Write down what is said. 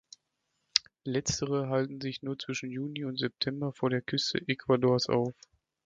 Letztere halten sich nur zwischen Juni und September vor der Küste Ecuadors auf.